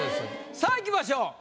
さあいきましょう。